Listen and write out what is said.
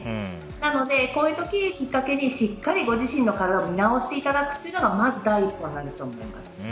なので、こういう時をきっかけにしっかりご自身の体を見直していただくことがまず第一歩になると思います。